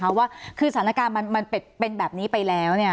เพราะว่าคือสถานการณ์มันเป็นแบบนี้ไปแล้ว